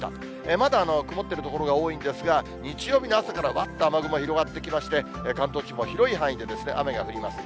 まだ曇っている所が多いんですが、日曜日の朝からわっと雨雲が広がってきまして、関東地方も広い範囲で雨が降ります。